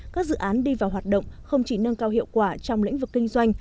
các dự án đi vào hoạt động không chỉ nâng cao hiệu quả trong lĩnh vực kinh doanh